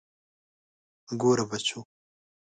ګوره بچو.